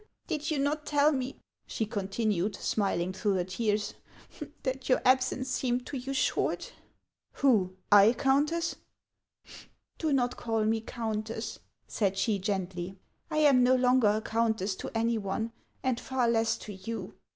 " Did you not tell me," she continued, smiling through her tears, "that your absence seemed to you short?" " Who, I, Countess '("" Do not call me countess," said she, gently ;" I am no longer a countess to any one, and far less to you."